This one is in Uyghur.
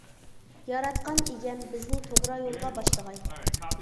ياراتقان ئىگەم بىزنى توغرا يولغا باشلىغاي!